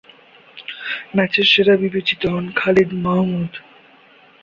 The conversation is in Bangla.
ম্যাচ সেরা বিবেচিত হন খালেদ মাহমুদ।